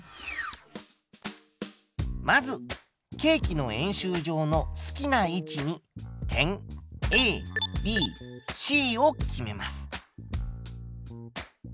まずケーキの円周上の好きな位置に点ＡＢＣを決めます。